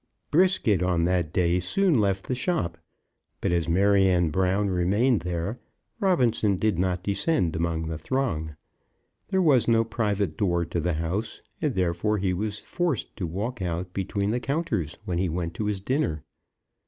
Brisket on that day soon left the shop; but as Maryanne Brown remained there, Robinson did not descend among the throng. There was no private door to the house, and therefore he was forced to walk out between the counters when he went to his dinner.